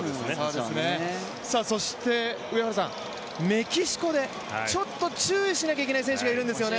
メキシコでちょっと注意しなきゃいけない選手がいるんですよね？